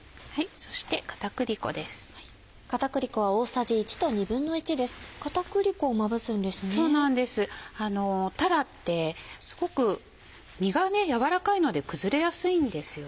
そうなんですたらってすごく身が軟らかいので崩れやすいんですよね。